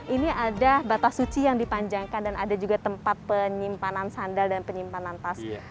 ini ada batas suci yang dipanjangkan dan ada juga tempat penyimpanan sandal dan penyimpanan tas